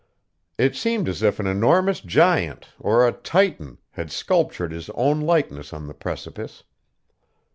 It seemed as if an enormous giant, or a Titan, had sculptured his own likeness on the precipice.